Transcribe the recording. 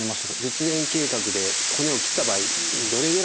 術前計画で骨を切った場合どれぐらいですね